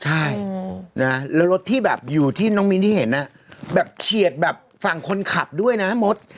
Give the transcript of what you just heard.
ใช่แล้วรถที่แบบอยู่ที่น้องมิ้นที่เห็นแบบเฉียดแบบฝั่งคนขับด้วยนะมด